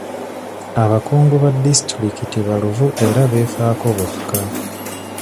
Abakungu ba disitulikiti baluvu era beefaako bokka.